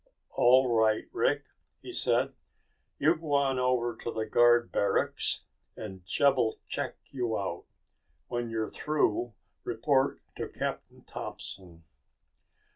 "All right, Rick," he said. "You go on over to the guard barracks and Jeb'll check you out. When you're through, report to Captain Thompson."